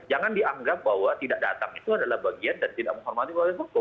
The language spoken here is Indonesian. jangan dianggap bahwa tidak datang itu adalah bagian dan tidak menghormati proses hukum